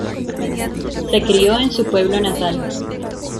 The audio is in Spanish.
Se crió en su pueblo natal.